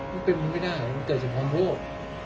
มันเป็นไม่ได้มันเกิดจากความโลภ